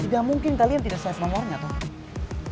tidak mungkin kalian tidak set nomornya tau